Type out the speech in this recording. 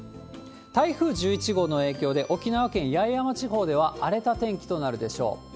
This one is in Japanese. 台風１１号の影響で、沖縄県八重山地方では荒れた天気となるでしょう。